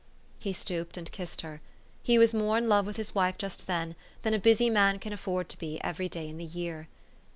He stooped and kissed her. He was more in love with his wife just then than a busy man can afford to be every day in the year.